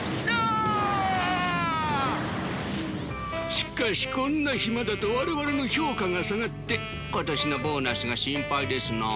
しかしこんな暇だと我々の評価が下がって今年のボーナスが心配ですな。